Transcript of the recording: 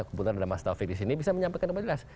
kemudian ada mas taufik disini bisa menyampaikan dengan jelas